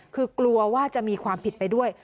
คือกลัวว่าจะมีความผิดไปด้วย